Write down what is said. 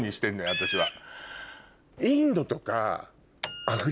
私は。